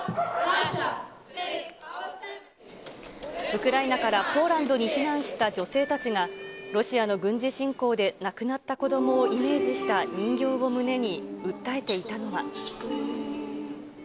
ウクライナからポーランドに避難した女性たちが、ロシアの軍事侵攻で亡くなった子どもをイメージした人形を胸に訴えていたのは。